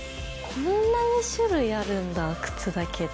こんなに種類あるんだ靴だけで。